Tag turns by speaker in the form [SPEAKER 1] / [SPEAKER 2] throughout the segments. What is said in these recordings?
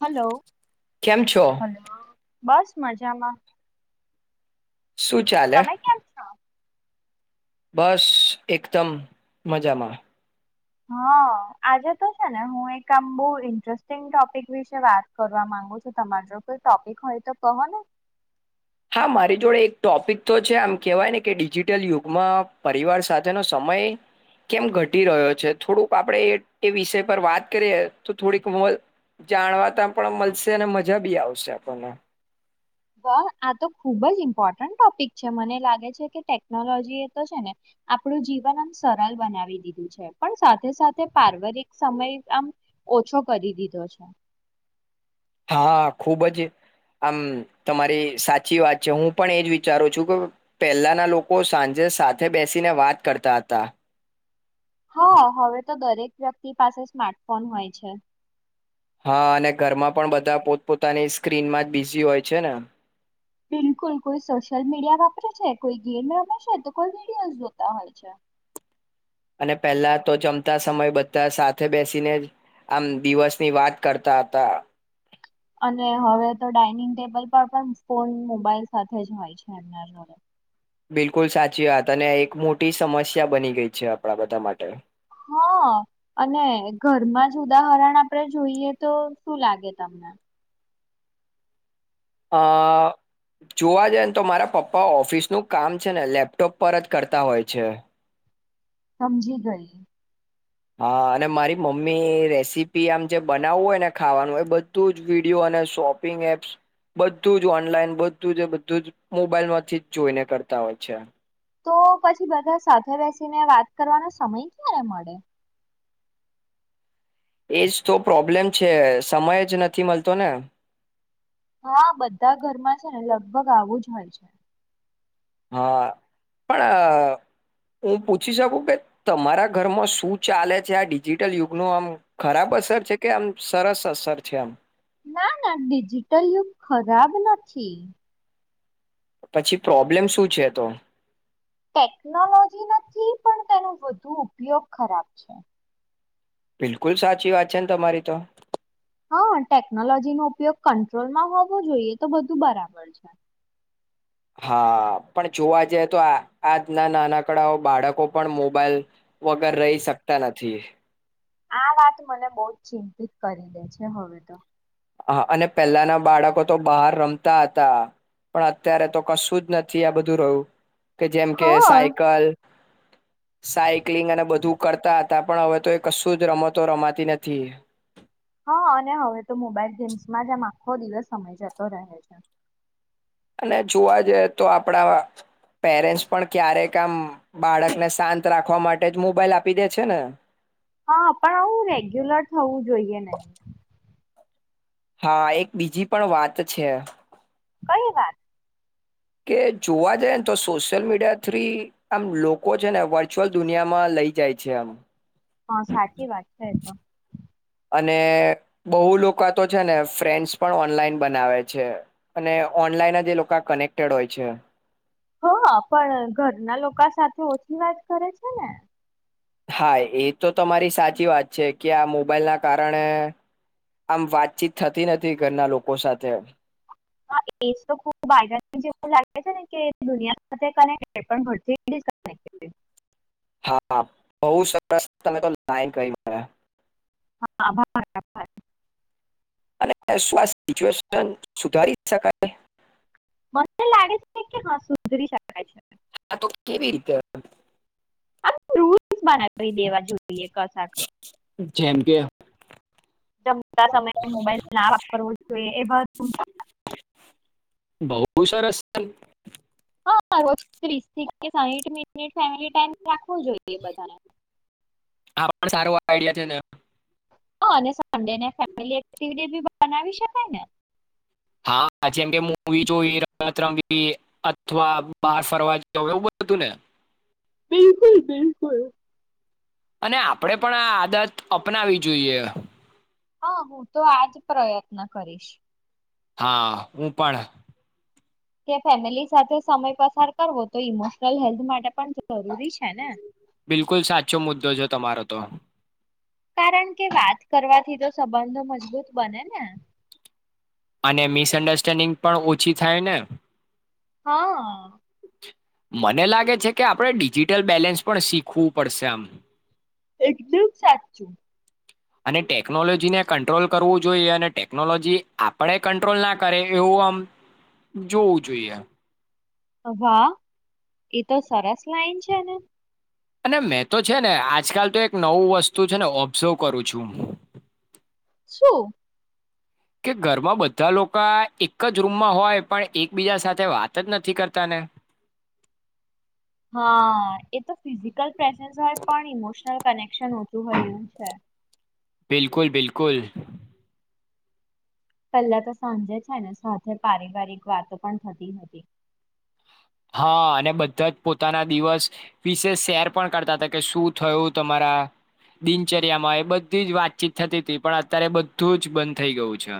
[SPEAKER 1] Hello
[SPEAKER 2] કેમ છો?
[SPEAKER 1] Hello બસ મજામાં
[SPEAKER 2] શું ચાલે?
[SPEAKER 1] તમે કેમ છો
[SPEAKER 2] બસ એકદમ મજામાં
[SPEAKER 1] હા આજે તો છે ને હું એક આમ બહ ઇન્ટરેસ્ટિંગ ટોપિક વિશે વાત કરવા માંગુ છું તમાર જો કોઈ ટોપિક હોય તો કહો ને
[SPEAKER 2] હા મારી જોડે એક ટોપિક તો છે આમ કહેવાય ને કે ડિજિટલ યુગમાં પરિવાર સાથેનો સમય કેમ ઘટી રહ્યો છે થોડુંક આપણે એ વિષય પર વાત કરીએ તો થોડીક જાણવાતા પણ મળશે અને મજા બી આવશે આપણને
[SPEAKER 1] બહ આ તો ખુબ જ ઇમ્પોર્ટન્ટ ટોપિક છે મને લાગે છે કે ટેકનોલોજી એ તો છે ને આપણું જીવન આમ સરળ બનાવી દીધું છે પણ સાથે સાથે પાર્વરિક સમય આમ ઓછો કરી દીધો છે
[SPEAKER 2] હા ખુબ જ આમ તમારી સાચી વાત છે હું પણ એજ વિચારું છું કે પહેલાના લોકો સાંજે સાથે બેસીને વાત કરતા હતા
[SPEAKER 1] હા હવે તો દરેક વ્યક્તિ પાસે સ્માર્ટફોન હોય છે
[SPEAKER 2] હા અને ઘરમાં પણ બધા પોતપોતાની સ્ક્રીન માં જ બિઝી હોય છે ને
[SPEAKER 1] બિલકુલ કોઈ સોશિયલ મીડિયા વાપરે છે કોઈ ગેમ રાપરે છે તો કોઈ વિડિયો જોતા હોય છે
[SPEAKER 2] અને પહેલા તો જમતા સમય બધતા સાથે બેસીને આમ દિવસની વાત કરતા હતા
[SPEAKER 1] અને હવે તો ડાઇનિંગ ટેબલ પણ પણ ફોન મોબાઈલ સાથે જ હોય છે એમનાડે
[SPEAKER 2] બિલકુલ સાચી વાત અને એક મોટી સમસ્યા બની ગઈ છે આપણા બધા માટે
[SPEAKER 1] હા અને ઘરમાં જ ઉદાહરણ આપણેે જોઈએ તો શું લાગે તમને
[SPEAKER 2] અ જોવા જઈ ને તો મારા પપ્પા ઓફિસનું કામ છે ને લેપટોપ પર જ કરતા હોય છે
[SPEAKER 1] સમજીી ગઈ
[SPEAKER 2] હા અને મારી મમ્મી રેસીપી આમ જે બનાવવું હોય ને ખાવાનું એ બધું જ વિડીિયો અને શોપિંગ એપ્સ બધું જ ઓનલાઈન બધું જ બધું જ મોબાઈલમાંથી જ જોઈને કરતા હોય છે
[SPEAKER 1] તો પછી બધા સાથે બેસીને વાત કરવાનો સમય ક્યારે મળે
[SPEAKER 2] એજ તો પ્રોબ્લેમ છે સમય જ નથી મળતો ને
[SPEAKER 1] હા બધા ઘરમાં છે ને લગભગ આવું જ હોય છે
[SPEAKER 2] હા પણ હું પૂછી શકું કે તમારા ઘરમાં શું ચાલે છે આ ડિજિટલ યુગનો આમ ખરાબ અસર છે કે આમ સરસ અસર છે આમ
[SPEAKER 1] ના ના ડિજિટલ યુગ ખરાબ નથી
[SPEAKER 2] પછી પ્રોબ્લેમ શું છે તો
[SPEAKER 1] ટેકનોલોજી નથી પણ તેનો વધુ ઉપયોગ ખરાબ છે
[SPEAKER 2] બિલકુલ સાચી વાત છે ને તમારી તો
[SPEAKER 1] હા ટેકનોલોજી નો ઉપયોગ કંટ્રોલમાં હોવો જોઈએ તો બધું બરાબર છે
[SPEAKER 2] હા પણ જોવા જઈએ તો આ આજના નાના કડાઓ બાળકો પણ મોબાઈલ વગર રહી શકતા નથી
[SPEAKER 1] આ વાત મને બહુ જ ચિંતિત કરી દે છે હવે તો
[SPEAKER 2] [unintelligible] કે જેમ કે
[SPEAKER 1] હા
[SPEAKER 2] સાયકલ સાયક્લિંગ અને બધું કરતા હતા પણ હવે તો એ કશું જ રમતો રમાતી નથી
[SPEAKER 1] હા અને હવે તો મોબાઈલ ગેમ્સમાં જ આમ આખો દિવસ સમય જતો રહે છે
[SPEAKER 2] અને જોવા જઈએ તો આપણા પેરેન્ટ્સ પણ ક્યારેક આામ બાળકને શાંત રાખવા માટે જ મોબાઈલ આપી દે છે ને
[SPEAKER 1] હા પણ આવું રેગ્યુલર થવું જોઈએ નહી
[SPEAKER 2] હા એક બીજી પણ વાત છે
[SPEAKER 1] કઈ વાત
[SPEAKER 2] કે જોવા જાય ને તો સોશિયલ મીડિયા થ્રી આમ લોકો છે ને વર્ચ્યુઅલ દુનિયામાં લઈ જાય છે આમ
[SPEAKER 1] હા સાચી વાત છે તો
[SPEAKER 2] અને બહુ લોકો તો છે ને ફ્રેન્ડ્સ પણ ઓનલાઈન બનાવે છે અને ઓનલાઈન જ લોકો કનેક્ટેડ હોય છે
[SPEAKER 1] હ પણ ઘરના લોકો સાથે ઓછી વાત કરે છે ને
[SPEAKER 2] હા એ તો તમારી સાચી વાત છે કે આ મોબાઈલ ના કારણે આમ વાતચીત થતી નથી ઘરના લોકો સાથે
[SPEAKER 1] એ તો ખ જેવ લાગે છે ને કે દુનિયા સાથે કનેક પણરથી
[SPEAKER 2] હા બહુ સરસ તમે તો લાઈન ક મળ્યા
[SPEAKER 1] હાભ
[SPEAKER 2] અને શું સિચ્યુએશન સુધારી શકાય
[SPEAKER 1] મસ્ લાગે છે કે હા સુધરી શકાય છે
[SPEAKER 2] હા તો કેવી રીતે
[SPEAKER 1] રૂ બનાવી દેવા જોઈએ કશ
[SPEAKER 2] જેમ કે
[SPEAKER 1] જમતા સમયે મોબાઈલ ના વાપરવો જોઈએ એ બ
[SPEAKER 2] બહુ સરાર
[SPEAKER 1] હા ત્રીસથી સાઠ મ ફ ટ જોઈએ બધાને
[SPEAKER 2] હા પણ સારું આઈડિયા છે ને
[SPEAKER 1] હ અને સડે ને ફેમિલી એક્ટિવડેી બનાવી શકાય ને
[SPEAKER 2] હા જેમ કે મવી જોઈ રમત રંગી અથવા બાર ફરવા એવું બધું હતું ને
[SPEAKER 1] બિલકુલ બિલકુલ
[SPEAKER 2] અને આપણે પણ આ આદત અપનાવી જોઈએ
[SPEAKER 1] હા હું તો આજ પ્રયત્ન કરીશ
[SPEAKER 2] હા હું પણ
[SPEAKER 1] કે ફેમિલી સાથે સમય પસાર કરવો તો ઈમોશનલ હેલ્થ માટે પણ જરૂરી છે ને
[SPEAKER 2] બિલકુલ સાચો મુદ્દો છે તમારો તો
[SPEAKER 1] કારણ કે વાત કરવાથી તો સંબંધો મજબૂત બને ને
[SPEAKER 2] અને મિસઅન્ડરસ્ટેન્ડિંગ પણ ઓછી થાય ને
[SPEAKER 1] હા
[SPEAKER 2] મને લાગે છે કે આપણે ડિજિટલ બેલેન્સ પણ શીખવું પડશે આમ
[SPEAKER 1] એકદમ સાચું
[SPEAKER 2] અને ટેકનોલોજીને કંટ્રોલ કરવું જોઈએ અને ટેકનોલોજી આપણે કંટ્રોલ ના કરે એવું આમ જોવું જોઈએ
[SPEAKER 1] વાહ એતો સરસ લાઈન છે ને
[SPEAKER 2] અને મેં તો છે ને આજકાલ તો એક નવું વસ્તુ છે ને ઓબ્ઝર્વ કરું છું
[SPEAKER 1] શું
[SPEAKER 2] કે ઘરમાં બધા લોકો એક જ રૂમમાં હોય પણ એકબીજા સાથે વાત જ નથી કરતાને
[SPEAKER 1] હા એ તો ફિઝિકલ પ્રેઝન્સ હોય પણ ઇમોશનલ કનેક્શન હોતું હોયું છે
[SPEAKER 2] બિલકુલ બિલકુલ
[SPEAKER 1] પહેલા તો સાંજે છે ને સાથે પારિવારિક વાતો પણ થતી હતી
[SPEAKER 2] હા અને બધા જ પોતાના દિવસ વિશે શેર પણ કરતા હતા કે શું થયું તમારા દિનચર્યામાં એ બધી જ વાતચીત થતી હતી પણ અત્યારે બધું જ બંધ થઈ ગયું છે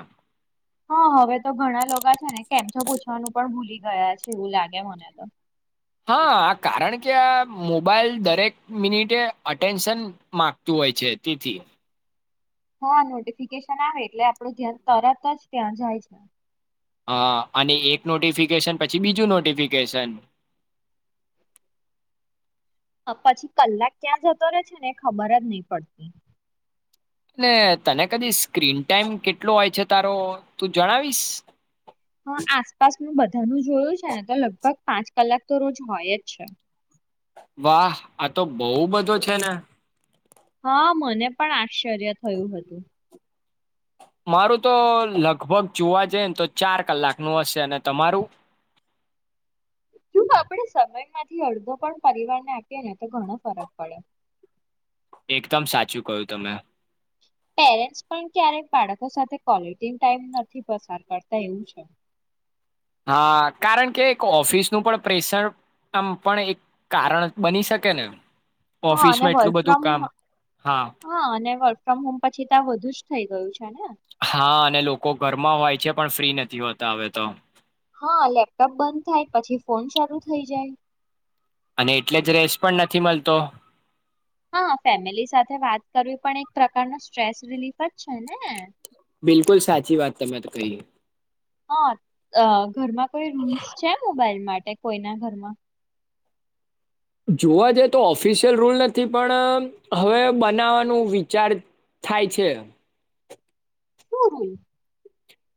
[SPEAKER 1] હા હવે તો ઘણા લોકો છે ને કેમ છો પૂછવાનું પણ ભૂલી ગયા છે એવું લાગે મને તો
[SPEAKER 2] હા કારણ કે આ મોબાઈલ દરેક મિનિટે અટેન્શન મામાંગતું હોય છે તેથી
[SPEAKER 1] હા નોટિફિકેશન આવે એટલે આપડું ધ્યા તરત જ ત્યાં જાય છે
[SPEAKER 2] હા અને એક નોટિફિકેશન પછી બીજું નોટિફિકેશન
[SPEAKER 1] પછી કલાક ક્યાં જતો રહેે છે ને એ ખબર જ નહી પડતી
[SPEAKER 2] ને તને કદી સ્ક્રીન ટાઈમ કેટલો હોય છે તારો તું જણાવીશ
[SPEAKER 1] હ આસપાસનુંું બધાનું જ જોયું છે ને તો લગભગ પાંચ કલાક તો રોજ હોય જ છે
[SPEAKER 2] વાહ આ તો બહ બધો છે ને
[SPEAKER 1] હા મને પણ આશ્ચર્ય થયું હતું
[SPEAKER 2] મારું તો લગભગ જોવા જઈને તો ચાર કલાક નું હશે અને તમારું
[SPEAKER 1] જો આપણેે સમય માંથી અડધો પણ પરિવારને આપીએ ને તો ઘણો ફરક પડે
[SPEAKER 2] એકદમ સાચું કયું તમે
[SPEAKER 1] પેરે્સ પણ ક્યારેક બાળકો સાથે કોલેટી ટાઈમ નથી પસાર કરતા એવું છે
[SPEAKER 2] હા કારણ કે એક ઓફિસનું પણ પ્રેશર પણ એક કારણ બની શકે ને એ
[SPEAKER 1] હા અને વર્ક ફ્રોમ હો હા અને વર્ક ફ્રોમ હોમ પછી ત્યા વધુ જ થઈ ગયું છે ને
[SPEAKER 2] હા અને લોકો ઘરમાં હોય છે પણ ફ્રી નથી હોતા હવે તો
[SPEAKER 1] હા લેપટોપ બંધ થાય પછી ફોન શરૂ થઈ જાય
[SPEAKER 2] અને એટલે જ રેસ પણ નથી મળતો
[SPEAKER 1] હા ફેમિલી સાથે વાત કરવી પણ એક પ્રકારનો સ્ટ્રેસ રિલીફ જ છે ને
[SPEAKER 2] બિલકુલ સાચી વાત તમારે કહીએ
[SPEAKER 1] હા અ ઘરમાં કોઈ રૂલ્સ છે મોબાઈલ માટે કોઈ ના ઘરમાં
[SPEAKER 2] જોવા જઈ તો ઓફિશિયલ રૂલ નથી પણ હવે બનાવાનું વિચાર થાય છે
[SPEAKER 1] શરું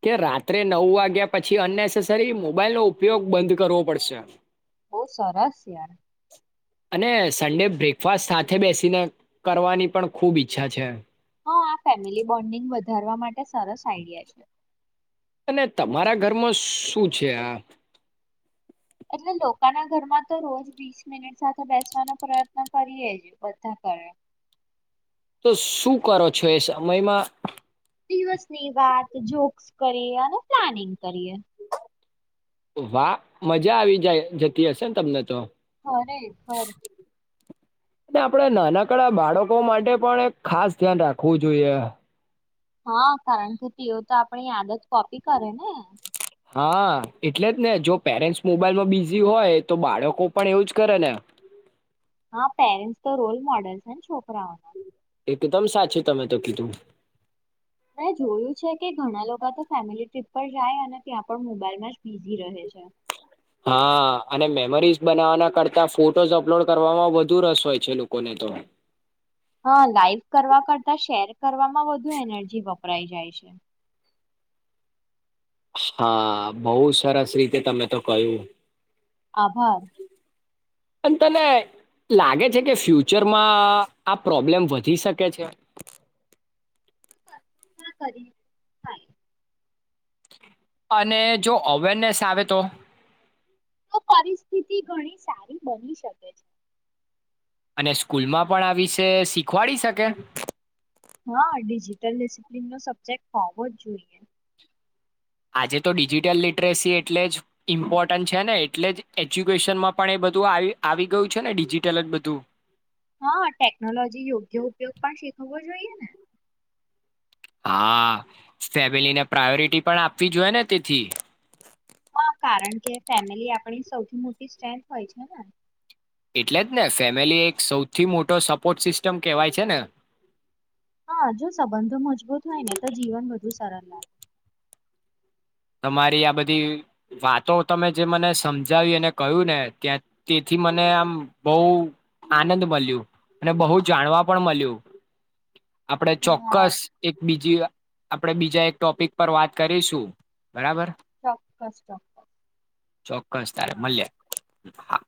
[SPEAKER 2] કે રાત્રે નવ વાગ્યા પછી અનનેસેસરી મોબાઈલ નો ઉપયોગ બંધ કરવો પડશે
[SPEAKER 1] બહ સરારસ યાર
[SPEAKER 2] અને સન્ડે બ્રેકફાસ્ટ સાથે બેસીને કરવાની પણ ખુબ ઈચ્છા છે
[SPEAKER 1] હા આ ફેમિલી બોન્ડિંગ વધારવા માટે સરસ આઈડિયા છે
[SPEAKER 2] અને તમારા ઘરમાં શું છે આ
[SPEAKER 1] એટલે લોકોના ઘરમાં તો રોજ વીસ મિનિટ સાથે બેસવાનો પ્રયત્ન કરીએ જ બધા ઘે
[SPEAKER 2] તો શું કરો છો એ સમયમાં
[SPEAKER 1] દિવસની વાત જોક્સ કરીએ અને પ્લાનિંગ કરીએ
[SPEAKER 2] વાહ મજા આવી જ જતી હશે ને તમને તો
[SPEAKER 1] હરે ખર
[SPEAKER 2] અને આપણેે નાનકડા બાળકો માટે પણ એક ખાસ ધ્યાન રાખવું જોઈએ
[SPEAKER 1] હા કારણ કે એવ તો પણ આયાદ જ કોપી કરે ને
[SPEAKER 2] હા એટલે જ ને જો પેરેન્ટ્સ મોબાઈલમાં બિઝી હોય તો બાળકો પણ એુજ કરે ને
[SPEAKER 1] હા પેરેન્ટ્સ તો રોલ મોડલ છેને છોકરાઓના
[SPEAKER 2] એકદમ સાચું તમે તો કીધું
[SPEAKER 1] મે જોયું છે કે ઘણા લોકો તો ફેમિલી ટ્રીપ પર જાય અને ત્યાં પણ મોબાઈલમાં જ બિઝી રહે છે
[SPEAKER 2] હા અને મેમરીઝ બનાવવાના કરતા ફોટોઝ અપલોડ કરવામાં વધુ રસ હોય છે લોકોને તો
[SPEAKER 1] હા લાઈવ કરવા કરતા શેર કરવામાં વધુ એનર્જી વપરાઈ જાય છે
[SPEAKER 2] હા બહુ સરસ રીતે તમે તો કહું
[SPEAKER 1] આભાર
[SPEAKER 2] અને તને લાગે છે કે ફ્યુચરમાં આ પ્રોબ્લેમ વધી શકે છે
[SPEAKER 1] કરી
[SPEAKER 2] અને જો અવેરનેસ આવે તો
[SPEAKER 1] તો પરિસ્થિતિ ઘણી સારી બની શકે છે
[SPEAKER 2] અને સ્કૂલમાં પણ આ વિશે શીખવાડી શકે
[SPEAKER 1] હા ડિજિટલ ડિસિપ્લન નો સબ્જેક્ટ હોવો જ જોઈએ
[SPEAKER 2] આજે તો ડિજિટલ લિટરેસી એટલે જ ઇમ્પોર્ટન્ટ છે ને એટલે જ એજ્યુકેશનમાં પણ એ બધું આવી આવી ગયું છે ને ડિજિટલ જ બધું
[SPEAKER 1] હા ટેકનોલોજી યોગ્ય ઉપયોગ પણ શીખવો જોને
[SPEAKER 2] હા ફેમિલીને પ્રાયોરિટી પણ આપવી જો હોય ને તેથી
[SPEAKER 1] હા કારણ કે ફેમિલી આપણી સૌથી મોટી સ્ટ્રેન્થ હોય છે ને
[SPEAKER 2] એટલે જ ને ફેમિલી એક સૌથી મોટો સપોર્ટ સિસ્ટમ કહેવાય છે ને
[SPEAKER 1] હા જો સંબંધો મજબૂત હોય ને તો જીવન બધું સરણ લાગ
[SPEAKER 2] તમારી આ બધી વાતો તમે જે મને સમજાવી અને કહ્યું ને ત્યાં તેથી મને આમ બહુ આનંદ મળ્યું અને બહુ જાણવા પણ મળ્યું આપડે
[SPEAKER 1] હા
[SPEAKER 2] ચોક્કસ એક બીજ આપણેે બીજા એક ટોપિક પર વાત કરીશું બરાબર
[SPEAKER 1] ચોક્કસ ચોક્કસ
[SPEAKER 2] ચોક્કસ તારે
[SPEAKER 1] હા
[SPEAKER 2] મળ્યા હા